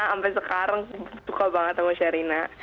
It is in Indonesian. sampai sekarang sih suka banget sama sherina